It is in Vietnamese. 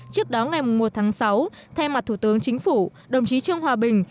trước đó ngày một tháng sáu thay mặt thủ tướng chính phủ đồng chí trương hòa bình